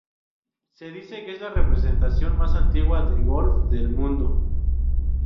Se dice que es la representación más antigua del golf del mundo.